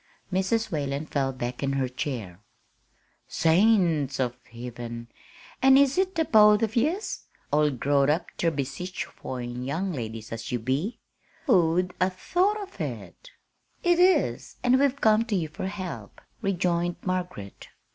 Mrs. Whalen fell back in her chair. "Saints of Hiven, an' is it the both of yez, all growed up ter be sich foine young ladies as ye be? Who'd 'a' thought it!" "It is, and we've come to you for help," rejoined Margaret.